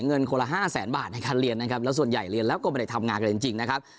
เงินคนละห้าแสนบาทในการเรียนนะครับแล้วส่วนใหญ่เรียนแล้วก็ไม่ได้ทำงานกันจริงนะครับ